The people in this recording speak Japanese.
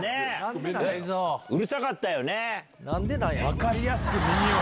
分かりやすく耳を。